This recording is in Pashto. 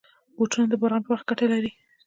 بوټونه د باران پر وخت ګټه لري.